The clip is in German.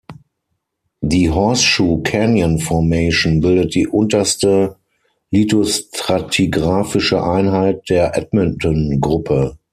Die Horseshoe-Canyon-Formation bildet die unterste lithostratigraphische Einheit der Edmonton-Gruppe.